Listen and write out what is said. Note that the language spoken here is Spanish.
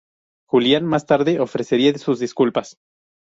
Julián más tarde ofrecería sus disculpas.